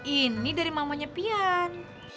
ini dari mamanya pian